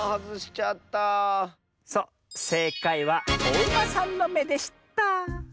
そうせいかいはおウマさんのめでした。